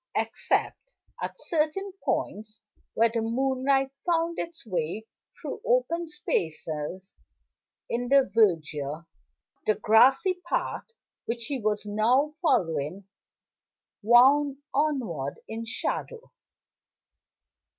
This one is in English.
Except at certain points, where the moonlight found its way through open spaces in the verdure, the grassy path which he was now following wound onward in shadow.